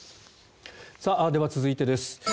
では、続いてです。